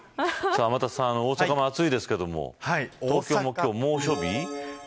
天達さん、大阪も暑いですけど大阪も今日は猛暑日。